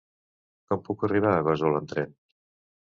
Com puc arribar a Gósol amb tren?